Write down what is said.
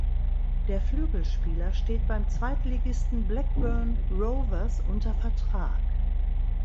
Der Flügelspieler steht beim Zweitligisten Blackburn Rovers unter Vertrag.